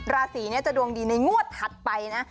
ราศีนี้จะดวงดีในงวดถัดไปนะ